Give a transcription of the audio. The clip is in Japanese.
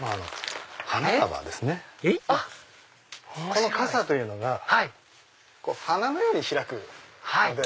この傘というのが花のように開くので。